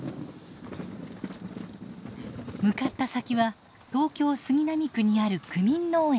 向かった先は東京・杉並区にある区民農園。